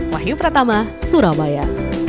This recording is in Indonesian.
wahyu pratama surabaya